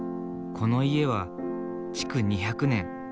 この家は築２００年。